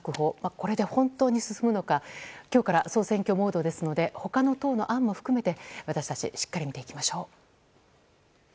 これで本当に進むのか、今日から総選挙モードなので他の党の案も含めて、私たちしっかり見ていきましょう。